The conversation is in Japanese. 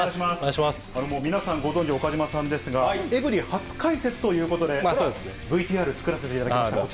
皆さんご存じ、岡島さんですが、エブリィ初解説ということで、ＶＴＲ作らせていただきました。